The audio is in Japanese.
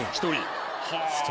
１人。